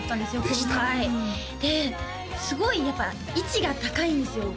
今回ですごいやっぱ位置が高いんですよ